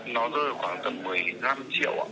nó rơi ở khoảng tầm một mươi năm triệu ạ